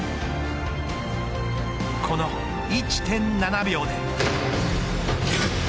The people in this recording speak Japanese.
この１．７秒で。